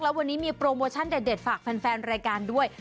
แล้ววันนี้มีโปรโมชั่นเด็ดฝากแฟนรายการด้วย